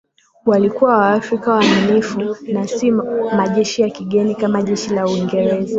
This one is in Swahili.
Walikuwa Waafrika waaminifu na si majeshi ya kigeni kama Jeshi la Uingereza